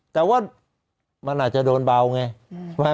แต่ว่ามันอาจจะโดนเบาไง